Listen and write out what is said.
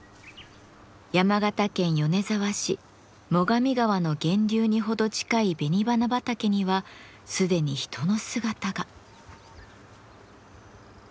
山形県米沢市最上川の源流に程近い紅花畑には既に人の姿が。